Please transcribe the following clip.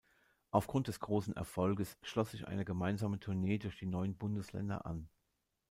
Aufgrund des großen Erfolges schloss sich eine gemeinsame Tournee durch die Neuen Bundesländer an.